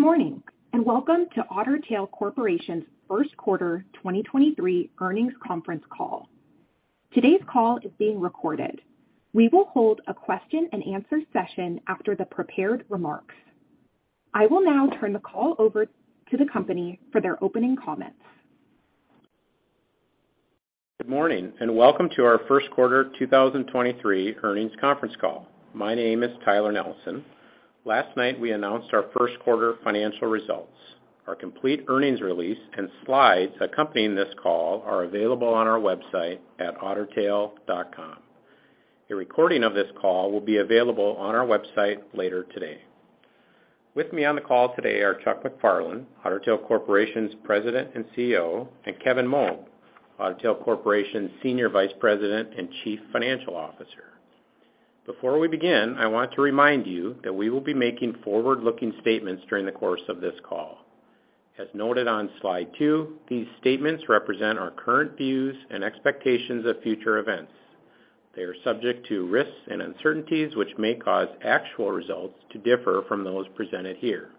Good morning, and welcome to Otter Tail Corporation's first quarter 2023 earnings conference call. Today's call is being recorded. We will hold a question and answer session after the prepared remarks. I will now turn the call over to the company for their opening comments. Good morning, welcome to our first quarter 2023 earnings conference call. My name is Tyler Nelson. Last night, we announced our first quarter financial results. Our complete earnings release and slides accompanying this call are available on our website at ottertail.com. A recording of this call will be available on our website later today. With me on the call today are Chuck MacFarlane, Otter Tail Corporation's President and CEO, and Kevin Moug, Otter Tail Corporation's Senior Vice President and Chief Financial Officer. Before we begin, I want to remind you that we will be making forward-looking statements during the course of this call. As noted on slide 2, these statements represent our current views and expectations of future events. They are subject to risks and uncertainties, which may cause actual results to differ from those presented here.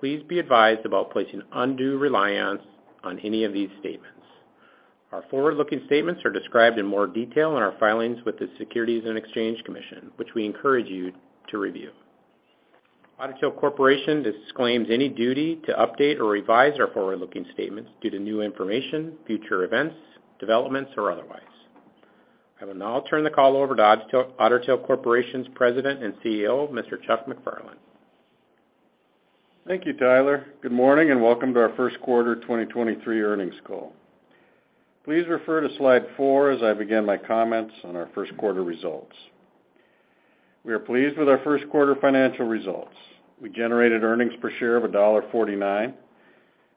Please be advised about placing undue reliance on any of these statements. Our forward-looking statements are described in more detail in our filings with the Securities and Exchange Commission, which we encourage you to review. Otter Tail Corporation disclaims any duty to update or revise our forward-looking statements due to new information, future events, developments, or otherwise. I will now turn the call over to Otter Tail Corporation's President and CEO, Mr. Chuck MacFarlane. Thank you, Tyler. Good morning. Welcome to our first quarter 2023 earnings call. Please refer to slide 4 as I begin my comments on our first quarter results. We are pleased with our first quarter financial results. We generated earnings per share of $1.49.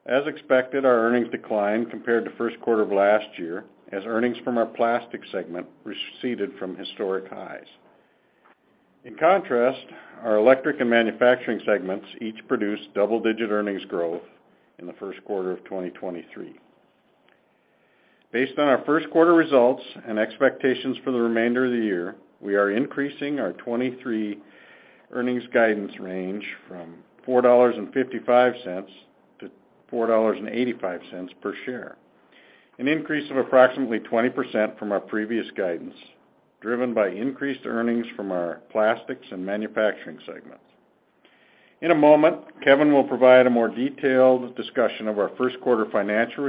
As expected, our earnings declined compared to first quarter of last year as earnings from our plastics segment receded from historic highs. In contrast, our electric and manufacturing segments each produced double-digit earnings growth in the first quarter of 2023. Based on our first quarter results and expectations for the remainder of the year, we are increasing our 2023 earnings guidance range from $4.55-$4.85 per share, an increase of approximately 20% from our previous guidance, driven by increased earnings from our plastics and manufacturing segments. In a moment, Kevin will provide a more detailed discussion of our first quarter financial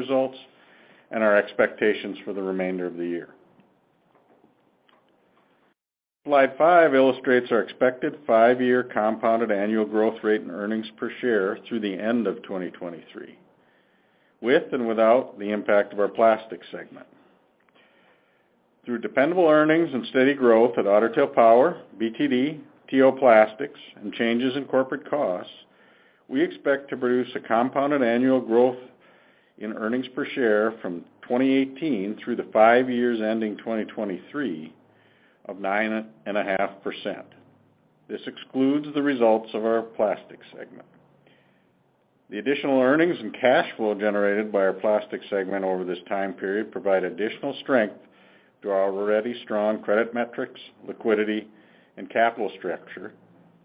results and our expectations for the remainder of the year. Slide 5 illustrates our expected 5-year compounded annual growth rate in earnings per share through the end of 2023, with and without the impact of our plastics segment. Through dependable earnings and steady growth at Otter Tail Power, BTD, T.O. Plastics, and changes in corporate costs, we expect to produce a compounded annual growth in earnings per share from 2018 through the 5 years ending 2023 of 9.5%. This excludes the results of our plastics segment. The additional earnings and cash flow generated by our plastics segment over this time period provide additional strength to our already strong credit metrics, liquidity, and capital structure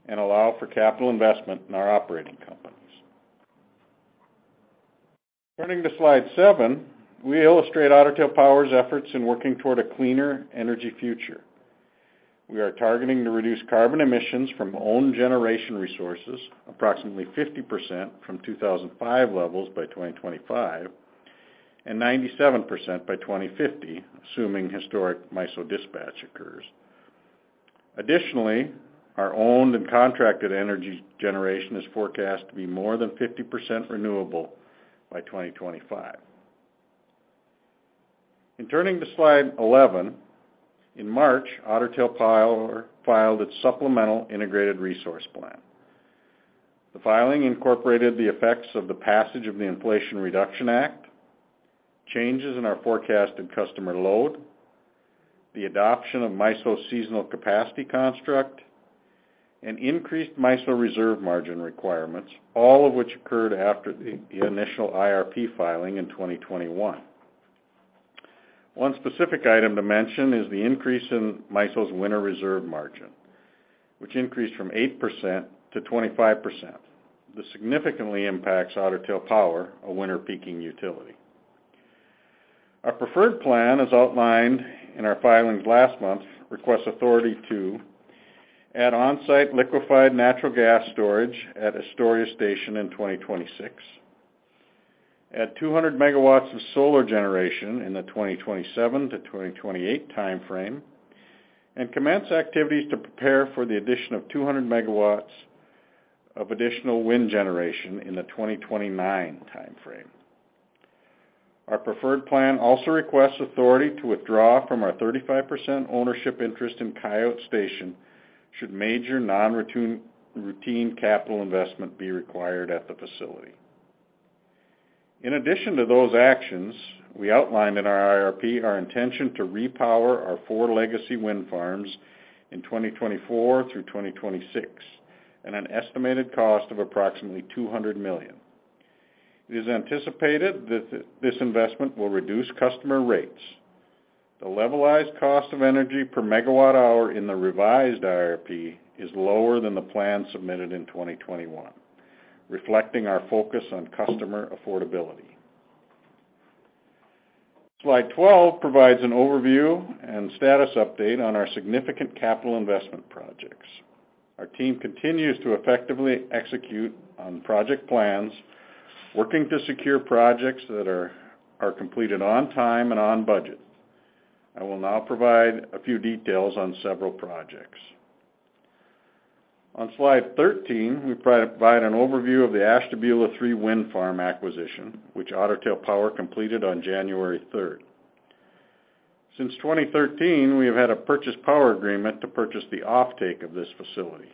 and allow for capital investment in our operating companies. Turning to slide 7, we illustrate Otter Tail Power's efforts in working toward a cleaner energy future. We are targeting to reduce carbon emissions from own generation resources approximately 50% from 2005 levels by 2025 and 97% by 2050, assuming historic MISO dispatch occurs. Additionally, our owned and contracted energy generation is forecast to be more than 50% renewable by 2025. Turning to slide 11. March, Otter Tail Power filed its supplemental integrated resource plan. The filing incorporated the effects of the passage of the Inflation Reduction Act, changes in our forecasted customer load, the adoption of MISO's seasonal capacity construct, and increased MISO reserve margin requirements, all of which occurred after the initial IRP filing in 2021. One specific item to mention is the increase in MISO's winter reserve margin, which increased from 8% to 25%. This significantly impacts Otter Tail Power, a winter peaking utility. Our preferred plan, as outlined in our filings last month, requests authority to add on-site liquefied natural gas storage at Astoria Station in 2026, add 200 megawatts of solar generation in the 2027-2028 time frame, and commence activities to prepare for the addition of 200 megawatts of additional wind generation in the 2029 time frame. Our preferred plan also requests authority to withdraw from our 35% ownership interest in Coyote Station should major non-routine capital investment be required at the facility. In addition to those actions, we outlined in our IRP our intention to repower our four legacy wind farms in 2024-2026 at an estimated cost of approximately $200 million. It is anticipated that this investment will reduce customer rates. The levelized cost of energy per megawatt hour in the revised IRP is lower than the plan submitted in 2021, reflecting our focus on customer affordability. Slide 12 provides an overview and status update on our significant capital investment projects. Our team continues to effectively execute on project plans, working to secure projects that are completed on time and on budget. I will now provide a few details on several projects. On slide 13, we provide an overview of the Ashtabula Three Wind Farm acquisition, which Otter Tail Power completed on January third. Since 2013, we have had a purchase power agreement to purchase the offtake of this facility.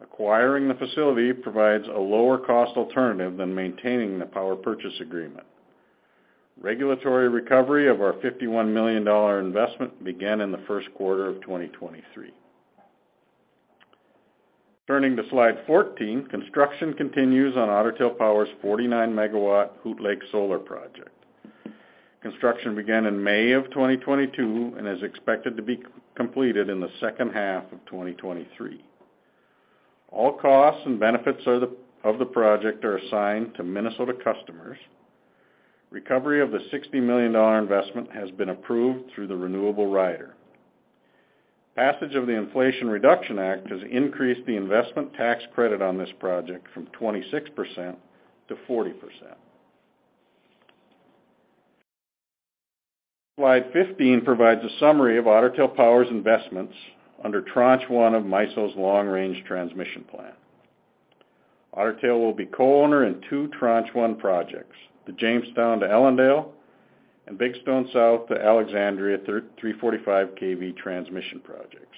Acquiring the facility provides a lower cost alternative than maintaining the power purchase agreement. Regulatory recovery of our $51 million investment began in the first quarter of 2023. Turning to slide 14, construction continues on Otter Tail Power's 49 megawatt Hoot Lake Solar project. Construction began in May of 2022 and is expected to be completed in the second half of 2023. All costs and benefits of the project are assigned to Minnesota customers. Recovery of the $60 million investment has been approved through the Renewable Rider. Passage of the Inflation Reduction Act has increased the investment tax credit on this project from 26% to 40%. Slide 15 provides a summary of Otter Tail Power's investments under Tranche One of MISO's Long Range Transmission Plan. Otter Tail will be co-owner in two Tranche One projects, the Jamestown to Ellendale and Big Stone South to Alexandria 345 kV transmission projects.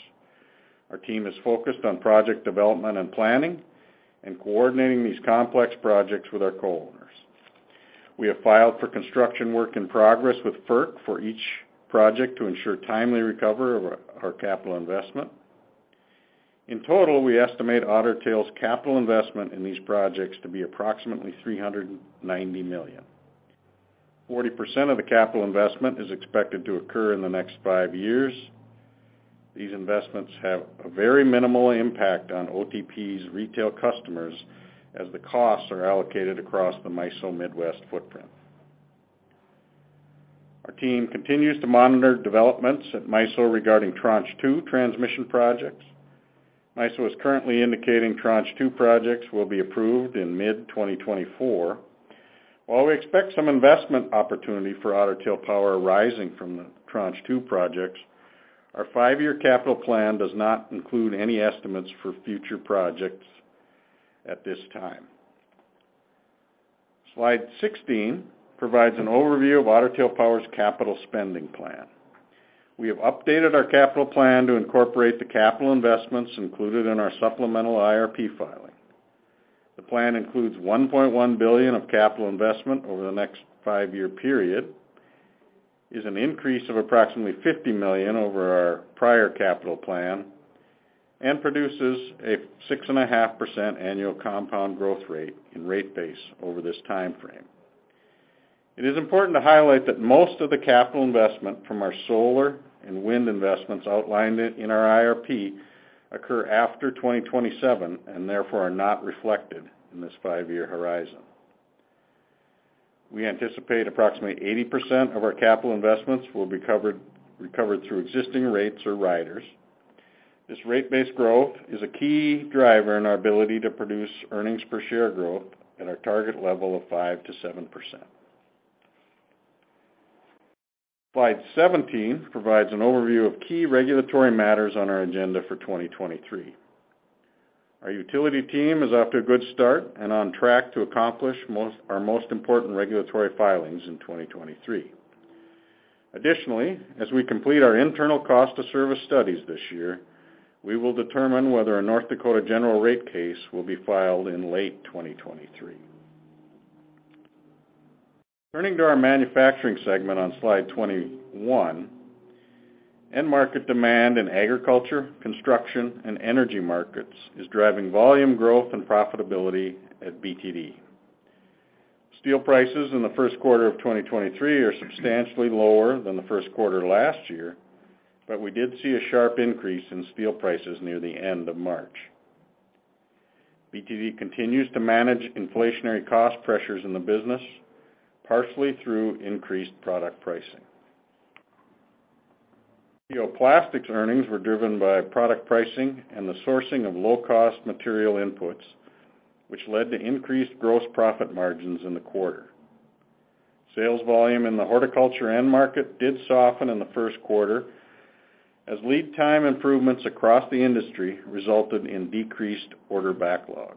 Our team is focused on project development and planning and coordinating these complex projects with our co-owners. We have filed for construction work in progress with FERC for each project to ensure timely recovery of our capital investment. In total, we estimate Otter Tail's capital investment in these projects to be approximately $390 million. 40% of the capital investment is expected to occur in the next five years. These investments have a very minimal impact on OTP's retail customers as the costs are allocated across the MISO Midwest footprint. Our team continues to monitor developments at MISO regarding Tranche 2 transmission projects. MISO is currently indicating Tranche 2 projects will be approved in mid-2024. While we expect some investment opportunity for Otter Tail Power arising from the Tranche 2 projects, our five-year capital plan does not include any estimates for future projects at this time. Slide 16 provides an overview of Otter Tail Power's capital spending plan. We have updated our capital plan to incorporate the capital investments included in our supplemental IRP filing. The plan includes $1.1 billion of capital investment over the next 5-year period, is an increase of approximately $50 million over our prior capital plan, and produces a 6.5% annual compound growth rate in rate base over this timeframe. It is important to highlight that most of the capital investment from our solar and wind investments outlined in our IRP occur after 2027 and therefore are not reflected in this 5-year horizon. We anticipate approximately 80% of our capital investments will be recovered through existing rates or riders. This rate-based growth is a key driver in our ability to produce earnings per share growth at our target level of 5% to 7%. Slide 17 provides an overview of key regulatory matters on our agenda for 2023. Our utility team is off to a good start and on track to accomplish our most important regulatory filings in 2023. Additionally, as we complete our internal cost of service studies this year, we will determine whether a North Dakota general rate case will be filed in late 2023. Turning to our manufacturing segment on slide 21, end market demand in agriculture, construction, and energy markets is driving volume growth and profitability at BTD. Steel prices in the 1st quarter of 2023 are substantially lower than the 1st quarter last year, but we did see a sharp increase in steel prices near the end of March. BTD continues to manage inflationary cost pressures in the business, partially through increased product pricing. T.O. Plastics earnings were driven by product pricing and the sourcing of low-cost material inputs, which led to increased gross profit margins in the quarter. Sales volume in the horticulture end market did soften in the first quarter as lead time improvements across the industry resulted in decreased order backlogs.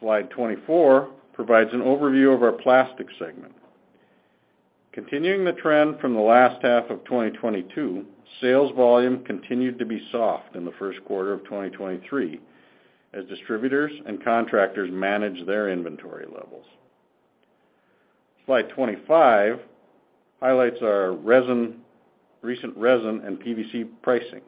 Slide 24 provides an overview of our plastics segment. Continuing the trend from the last half of 2022, sales volume continued to be soft in the first quarter of 2023 as distributors and contractors managed their inventory levels. Slide 25 highlights our resin, recent resin and PVC pricing.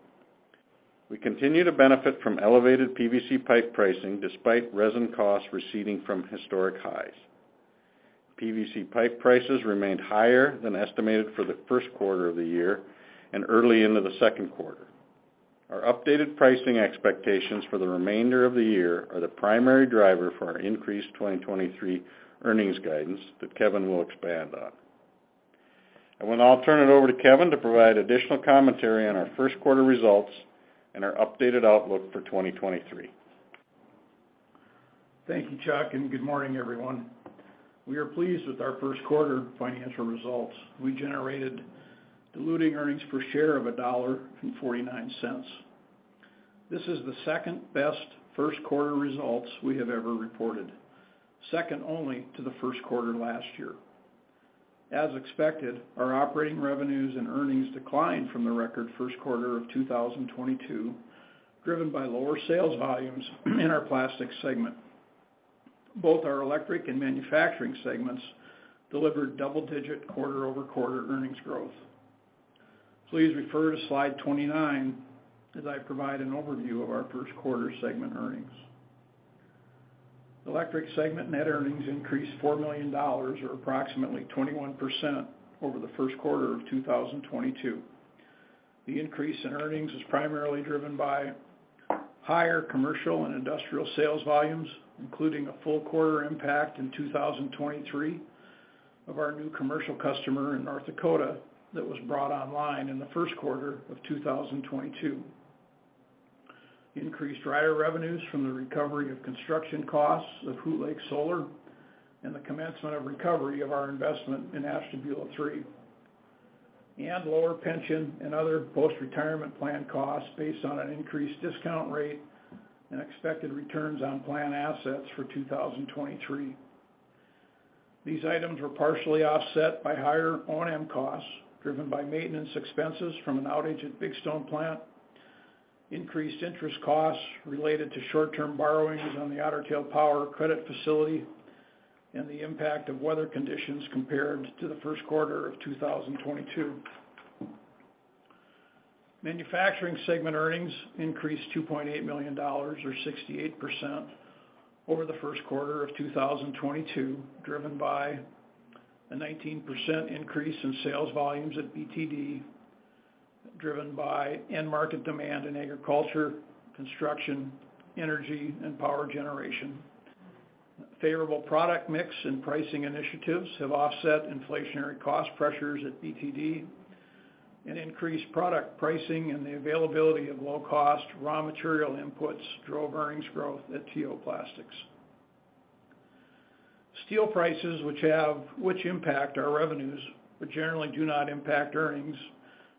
We continue to benefit from elevated PVC pipe pricing despite resin costs receding from historic highs. PVC pipe prices remained higher than estimated for the first quarter of the year and early into the second quarter. Our updated pricing expectations for the remainder of the year are the primary driver for our increased 2023 earnings guidance that Kevin will expand on. I will now turn it over to Kevin to provide additional commentary on our first quarter results and our updated outlook for 2023. Thank you, Chuck. Good morning, everyone. We are pleased with our first quarter financial results. We generated diluting earnings per share of $1.49. This is the second-best first quarter results we have ever reported, second only to the first quarter last year. As expected, our operating revenues and earnings declined from the record first quarter of 2022, driven by lower sales volumes in our plastic segment. Both our electric and manufacturing segments delivered double-digit quarter-over-quarter earnings growth. Please refer to slide 29 as I provide an overview of our first quarter segment earnings. Electric segment net earnings increased $4 million, or approximately 21% over the first quarter of 2022. The increase in earnings is primarily driven by higher commercial and industrial sales volumes, including a full quarter impact in 2023 of our new commercial customer in North Dakota that was brought online in the first quarter of 2022. Increased rider revenues from the recovery of construction costs of Hoot Lake Solar and the commencement of recovery of our investment in Ashtabula 3 and lower pension and other post-retirement plan costs based on an increased discount rate and expected returns on plan assets for 2023. These items were partially offset by higher O&M costs, driven by maintenance expenses from an outage at Big Stone plant, increased interest costs related to short-term borrowings on the Otter Tail Power credit facility, and the impact of weather conditions compared to the first quarter of 2022. Manufacturing segment earnings increased $2.8 million or 68% over the first quarter of 2022, driven by a 19% increase in sales volumes at BTD, driven by end market demand in agriculture, construction, energy, and power generation. Favorable product mix and pricing initiatives have offset inflationary cost pressures at BTD. Increased product pricing and the availability of low-cost raw material inputs drove earnings growth at T.O. Plastics. Steel prices, which impact our revenues but generally do not impact earnings,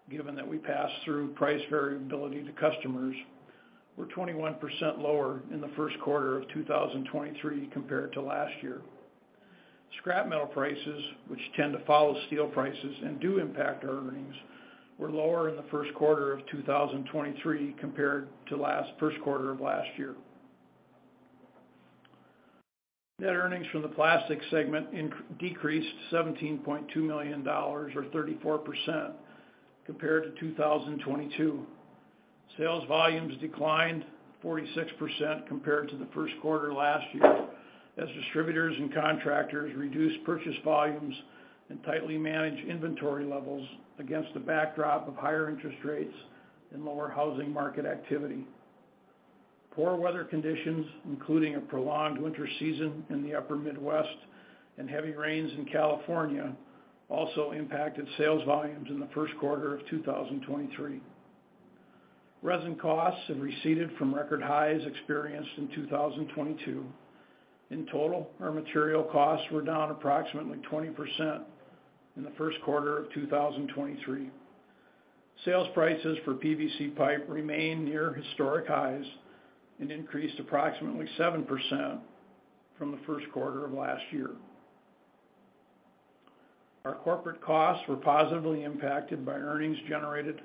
given that we pass through price variability to customers, were 21% lower in the first quarter of 2023 compared to last year. Scrap metal prices, which tend to follow steel prices and do impact our earnings, were lower in the first quarter of 2023 compared to first quarter of last year. Net earnings from the plastics segment decreased $17.2 million or 34% compared to 2022. Sales volumes declined 46% compared to the first quarter last year as distributors and contractors reduced purchase volumes and tightly managed inventory levels against the backdrop of higher interest rates and lower housing market activity. Poor weather conditions, including a prolonged winter season in the upper Midwest and heavy rains in California, also impacted sales volumes in the first quarter of 2023. Resin costs have receded from record highs experienced in 2022. In total, our material costs were down approximately 20% in the first quarter of 2023. Sales prices for PVC pipe remain near historic highs and increased approximately 7% from the first quarter of last year. Our corporate costs were positively impacted by earnings generated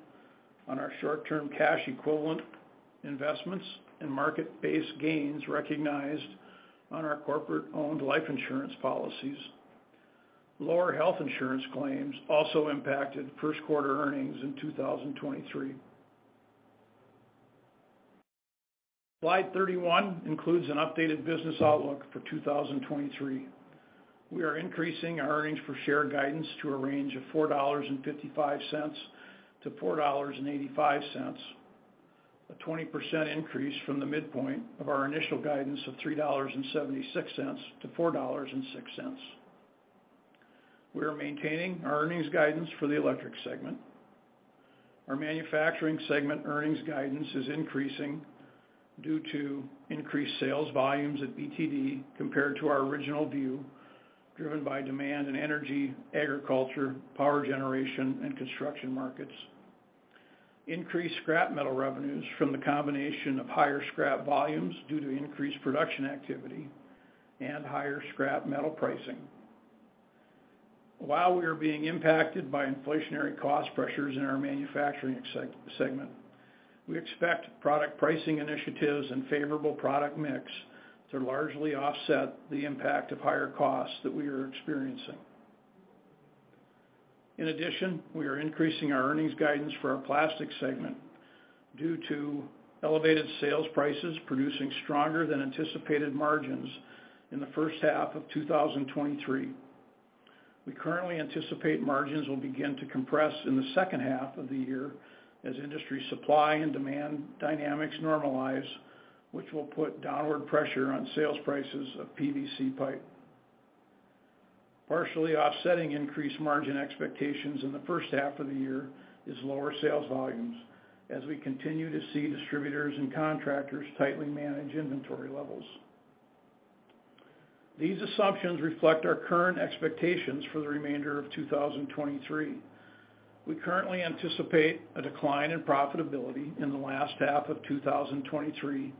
on our short-term cash equivalent investments and market-based gains recognized on our corporate-owned life insurance policies. Lower health insurance claims also impacted first quarter earnings in 2023. Slide 31 includes an updated business outlook for 2023. We are increasing our earnings per share guidance to a range of $4.55-$4.85, a 20% increase from the midpoint of our initial guidance of $3.76-$4.06. We are maintaining our earnings guidance for the electric segment. Our manufacturing segment earnings guidance is increasing due to increased sales volumes at BTD compared to our original view, driven by demand in energy, agriculture, power generation, and construction markets. Increased scrap metal revenues from the combination of higher scrap volumes due to increased production activity and higher scrap metal pricing. While we are being impacted by inflationary cost pressures in our manufacturing segment. We expect product pricing initiatives and favorable product mix to largely offset the impact of higher costs that we are experiencing. In addition, we are increasing our earnings guidance for our plastics segment due to elevated sales prices producing stronger than anticipated margins in the first half of 2023. We currently anticipate margins will begin to compress in the second half of the year as industry supply and demand dynamics normalize, which will put downward pressure on sales prices of PVC pipe. Partially offsetting increased margin expectations in the first half of the year is lower sales volumes as we continue to see distributors and contractors tightly manage inventory levels. These assumptions reflect our current expectations for the remainder of 2023. We currently anticipate a decline in profitability in the last half of 2023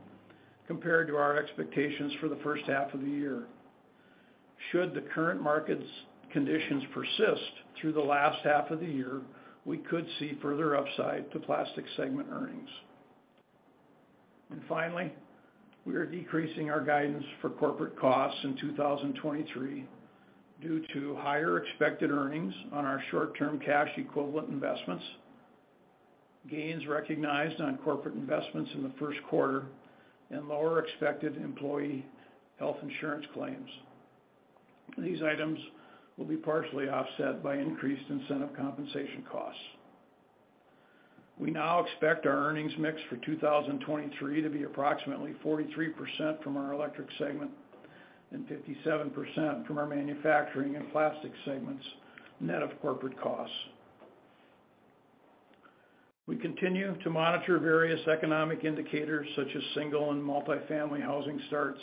compared to our expectations for the first half of the year. Should the current market's conditions persist through the last half of the year, we could see further upside to plastics segment earnings. Finally, we are decreasing our guidance for corporate costs in 2023 due to higher expected earnings on our short-term cash equivalent investments, gains recognized on corporate investments in the first quarter, and lower expected employee health insurance claims. These items will be partially offset by increased incentive compensation costs. We now expect our earnings mix for 2023 to be approximately 43% from our electric segment and 57% from our manufacturing and plastics segments, net of corporate costs. We continue to monitor various economic indicators such as single and multi-family housing starts,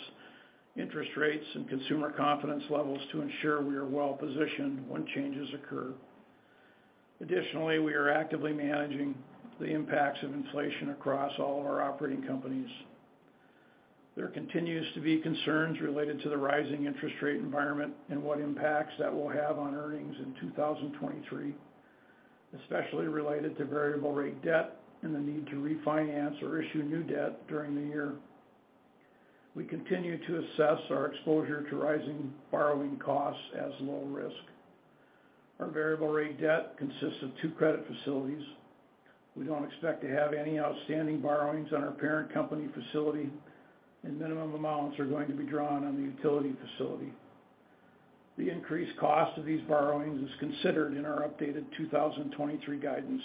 interest rates, and consumer confidence levels to ensure we are well-positioned when changes occur. Additionally, we are actively managing the impacts of inflation across all of our operating companies. There continues to be concerns related to the rising interest rate environment and what impacts that will have on earnings in 2023, especially related to variable rate debt and the need to refinance or issue new debt during the year. We continue to assess our exposure to rising borrowing costs as low risk. Our variable rate debt consists of two credit facilities. We don't expect to have any outstanding borrowings on our parent company facility, and minimum amounts are going to be drawn on the utility facility. The increased cost of these borrowings is considered in our updated 2023 guidance.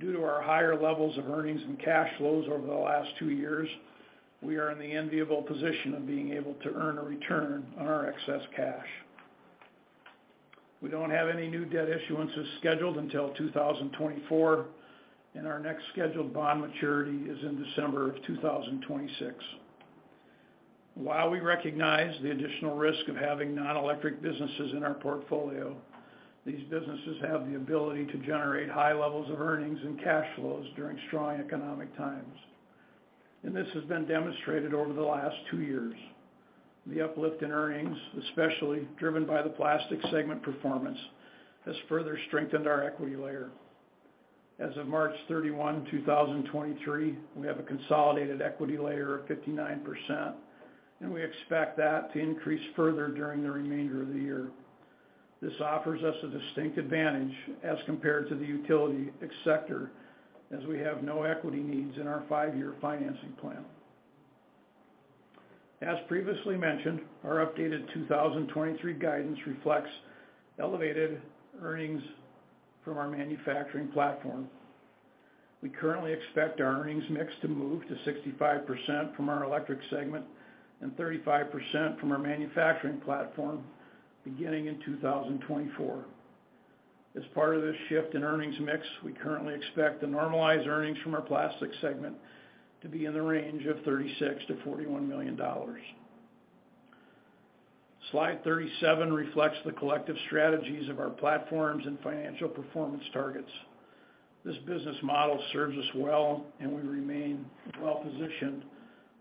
Due to our higher levels of earnings and cash flows over the last two years, we are in the enviable position of being able to earn a return on our excess cash. We don't have any new debt issuances scheduled until 2024, and our next scheduled bond maturity is in December of 2026. While we recognize the additional risk of having non-electric businesses in our portfolio, these businesses have the ability to generate high levels of earnings and cash flows during strong economic times. This has been demonstrated over the last two years. The uplift in earnings, especially driven by the plastic segment performance, has further strengthened our equity layer. As of March 31, 2023, we have a consolidated equity layer of 59%, and we expect that to increase further during the remainder of the year. This offers us a distinct advantage as compared to the utility sector, as we have no equity needs in our five-year financing plan. As previously mentioned, our updated 2023 guidance reflects elevated earnings from our manufacturing platform. We currently expect our earnings mix to move to 65% from our electric segment and 35% from our manufacturing platform beginning in 2024. As part of this shift in earnings mix, we currently expect the normalized earnings from our plastics segment to be in the range of $36 million-$41 million. Slide 37 reflects the collective strategies of our platforms and financial performance targets. This business model serves us well, and we remain well-positioned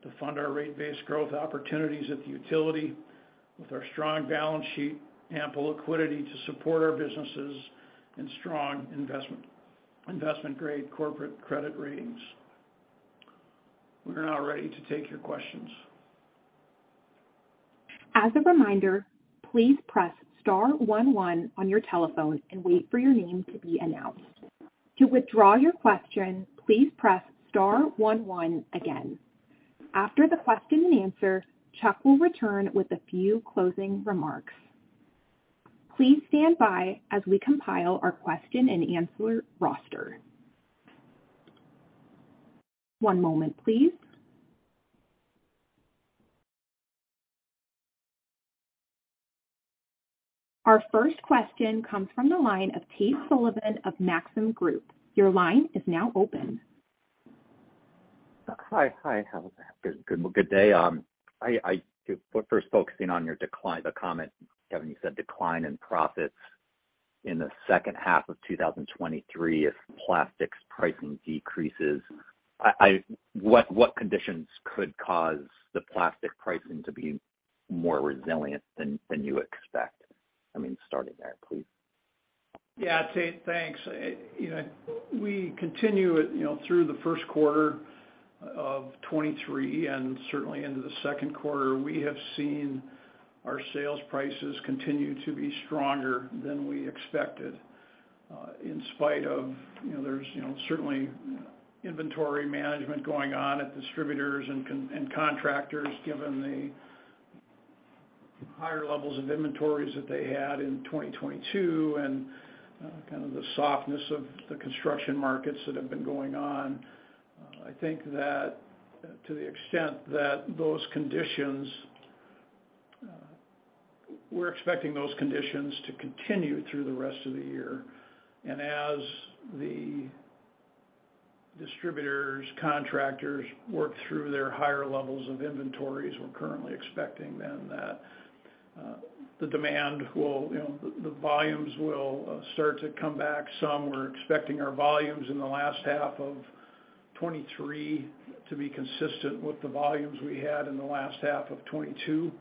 to fund our rate-based growth opportunities at the utility with our strong balance sheet, ample liquidity to support our businesses, and strong investment-grade corporate credit ratings. We are now ready to take your questions. As a reminder, please press star one one on your telephone and wait for your name to be announced. To withdraw your question, please press star one one again. After the question and answer, Chuck will return with a few closing remarks. Please stand by as we compile our question and answer roster. One moment, please. Our first question comes from the line of Tate Sullivan of Maxim Group. Your line is now open. Hi. Hi. How is it? Good, good day. First focusing on your decline, the comment, Kevin, you said decline in profits in the second half of 2023 if plastics pricing decreases what conditions could cause the plastic pricing to be more resilient than you expect? I mean, starting there, please. Yeah. Tate, thanks. You know, we continue it, you know, through the first quarter of 2023. Certainly into the second quarter, we have seen our sales prices continue to be stronger than we expected, in spite of, you know, there's, you know, certainly inventory management going on at distributors and contractors given the higher levels of inventories that they had in 2022 and kind of the softness of the construction markets that have been going on. I think that to the extent that those conditions, we're expecting those conditions to continue through the rest of the year. As the distributors, contractors work through their higher levels of inventories, we're currently expecting then that the demand will, you know, the volumes will start to come back some. We're expecting our volumes in the last half of 2023 to be consistent with the volumes we had in the last half of 2022.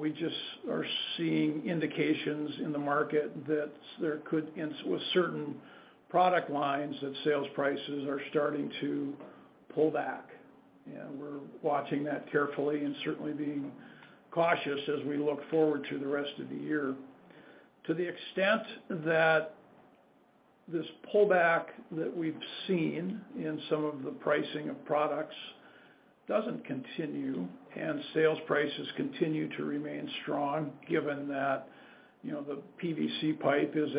We just are seeing indications in the market that there could with certain product lines that sales prices are starting to pull back. We're watching that carefully and certainly being cautious as we look forward to the rest of the year. To the extent that this pullback that we've seen in some of the pricing of products doesn't continue, and sales prices continue to remain strong, given that, you know, the PVC pipe is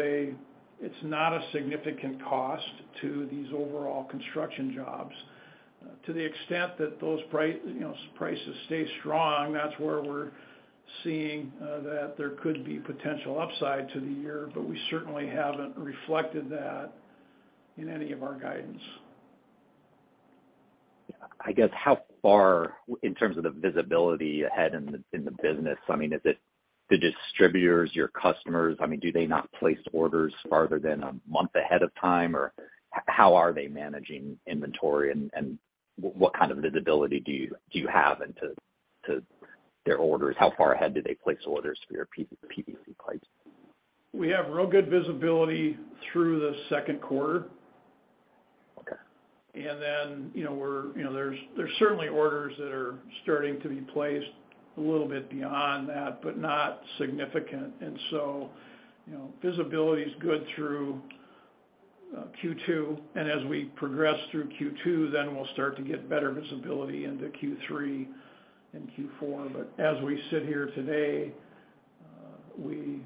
it's not a significant cost to these overall construction jobs. To the extent that those you know, prices stay strong, that's where we're seeing that there could be potential upside to the year, but we certainly haven't reflected that in any of our guidance. I guess how far in terms of the visibility ahead in the business, I mean, is it the distributors, your customers? I mean, do they not place orders farther than a month ahead of time? How are they managing inventory and what kind of visibility do you have into their orders? How far ahead do they place orders for your PVC pipes? We have real good visibility through the second quarter. Okay. You know, we're, you know, there's certainly orders that are starting to be placed a little bit beyond that, but not significant. You know, visibility is good through Q2, and as we progress through Q2, then we'll start to get better visibility into Q3 and Q4. As we sit here today, we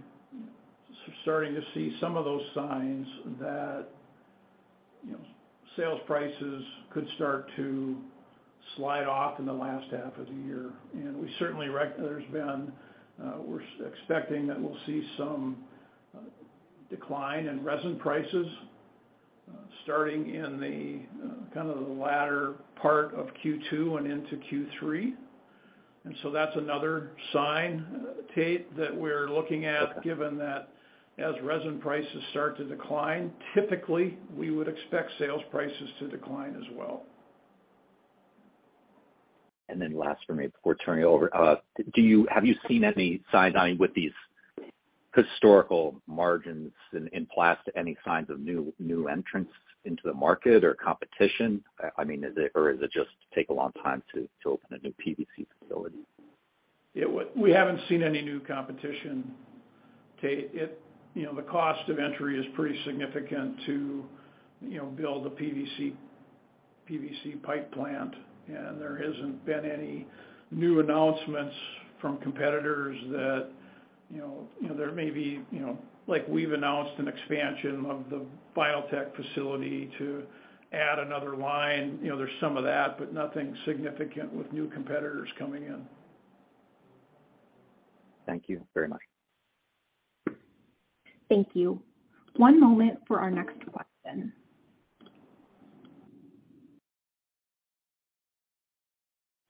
starting to see some of those signs that, you know, sales prices could start to slide off in the last half of the year. We certainly there's been, we're expecting that we'll see some decline in resin prices starting in the kind of the latter part of Q2 and into Q3. That's another sign, Tate, that we're looking at given that as resin prices start to decline, typically, we would expect sales prices to decline as well. Last for me before turning it over. Have you seen any signs with these historical margins in plastic, any signs of new entrants into the market or competition? I mean, is it or is it just take a long time to open a new PVC facility? Yeah. We haven't seen any new competition, Tate. You know, the cost of entry is pretty significant to, you know, build a PVC pipe plant, and there hasn't been any new announcements from competitors that, you know, there may be, you know, like we've announced an expansion of the Vinyltech facility to add another line. You know, there's some of that, but nothing significant with new competitors coming in. Thank you very much. Thank you. One moment for our next question.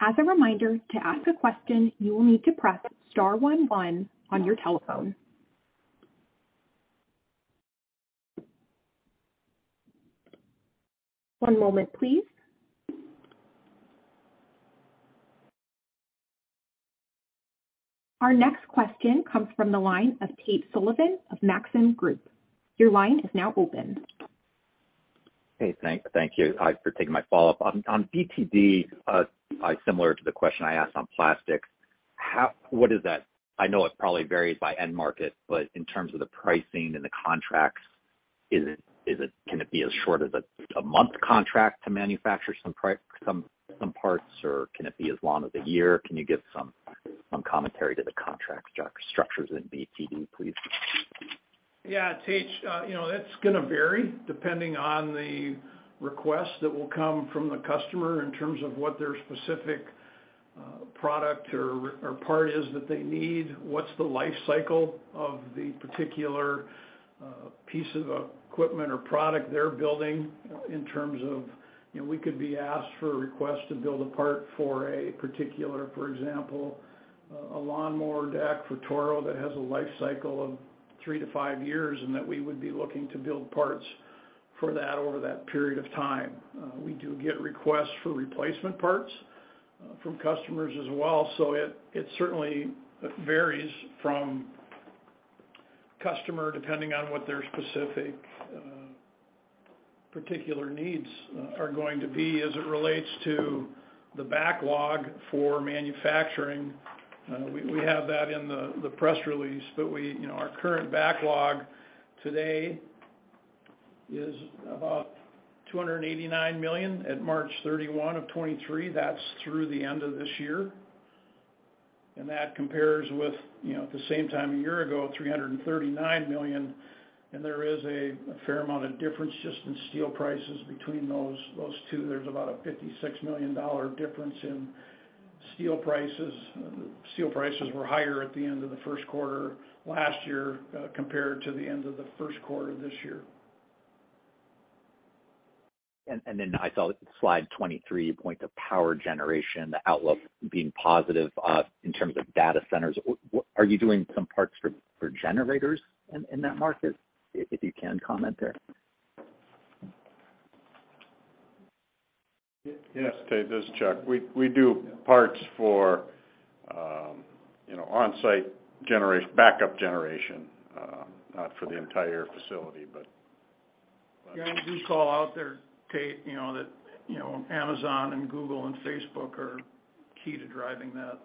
As a reminder, to ask a question, you will need to press star one one on your telephone. One moment, please. Our next question comes from the line of Tate Sullivan of Maxim Group. Your line is now open. Hey, thank you for taking my follow-up. On BTD, similar to the question I asked on plastics, what is that? I know it probably varies by end market, but in terms of the pricing and the contracts, is it can it be as short as a month contract to manufacture some parts, or can it be as long as a year? Can you give some commentary to the contract structures in BTD, please? Yeah. Tate, you know, that's gonna vary depending on the request that will come from the customer in terms of what their specific product or part is that they need, what's the life cycle of the particular piece of equipment or product they're building in terms of, you know, we could be asked for a request to build a part for a particular, for example, a lawnmower deck for Toro that has a life cycle of 3-5 years, and that we would be looking to build parts for that over that period of time. We do get requests for replacement parts from customers as well, so it certainly varies from customer, depending on what their specific particular needs are going to be as it relates to the backlog for manufacturing. We have that in the press release, but we, you know, our current backlog today is about $289 million at March 31, 2023. That's through the end of this year. That compares with, you know, at the same time a year ago, $339 million, and there is a fair amount of difference just in steel prices between those two. There's about a $56 million difference in steel prices. Steel prices were higher at the end of the first quarter last year compared to the end of the first quarter this year. I saw slide 23, you point to power generation, the outlook being positive in terms of data centers. What are you doing some parts for generators in that market? If you can comment there. Yes, Tate. This is Chuck. We do parts for, you know, on-site backup generation, not for the entire facility, but. Yeah, we do call out there, Tate, you know, that, you know, Amazon and Google and Facebook are key to driving that.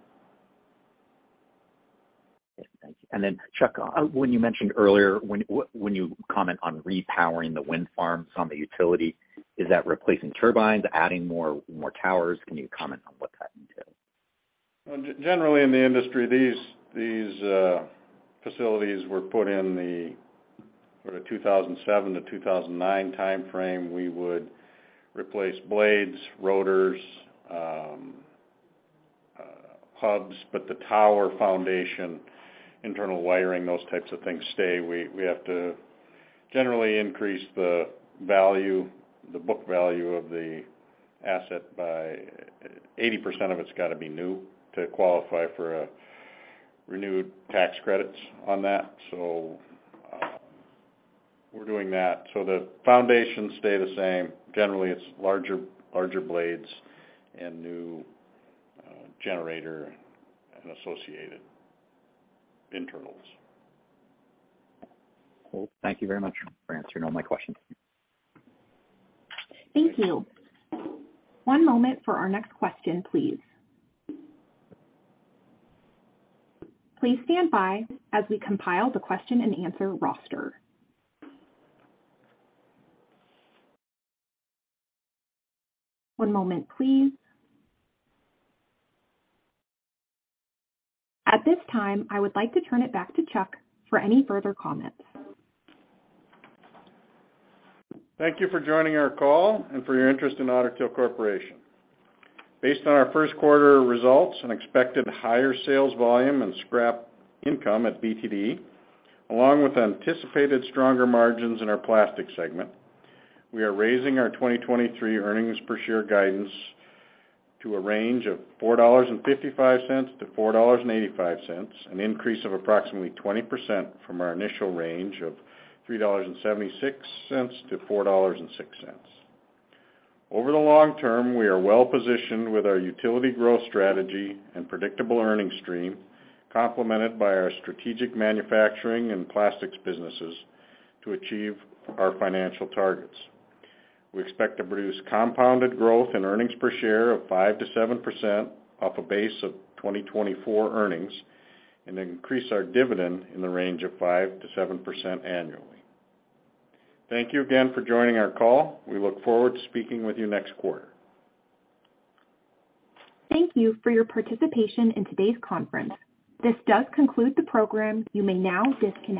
Thank you. Chuck, when you mentioned earlier, when you comment on repowering the wind farms on the utility, is that replacing turbines, adding more towers? Can you comment on what that entails? Generally in the industry, these facilities were put in the sort of 2007 to 2009 timeframe. We would replace blades, rotors, hubs, but the tower foundation, internal wiring, those types of things stay. We have to generally increase the value, the book value of the asset by 80% of it's gotta be new to qualify for renewed tax credits on that. We're doing that. The foundations stay the same. Generally, it's larger blades and new generator and associated internals. Well, thank you very much for answering all my questions. Thank you. One moment for our next question, please. Please stand by as we compile the question-and-answer roster. One moment, please. At this time, I would like to turn it back to Chuck for any further comments. Thank you for joining our call and for your interest in Otter Tail Corporation. Based on our first quarter results and expected higher sales volume and scrap income at BTD, along with anticipated stronger margins in our plastics segment, we are raising our 2023 earnings per share guidance to a range of $4.55-$4.85, an increase of approximately 20% from our initial range of $3.76-$4.06. Over the long term, we are well positioned with our utility growth strategy and predictable earnings stream, complemented by our strategic manufacturing and plastics businesses to achieve our financial targets. We expect to produce compounded growth in earnings per share of 5%-7% off a base of 2024 earnings, and increase our dividend in the range of 5%-7% annually. Thank you again for joining our call. We look forward to speaking with you next quarter. Thank you for your participation in today's conference. This does conclude the program. You may now disconnect.